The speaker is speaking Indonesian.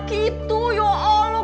gitu ya allah